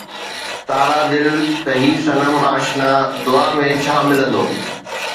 تارا دل ته هي صنم آشنا، دعا ۾ ڇا ملندو؟